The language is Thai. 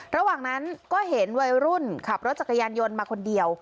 ระหว่างนั้นก็เห็นวัยรุ่นขับรถจักรยานยนต์มาคนเดียว